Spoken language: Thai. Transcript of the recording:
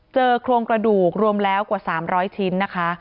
โครงกระดูกรวมแล้วกว่า๓๐๐ชิ้นนะคะ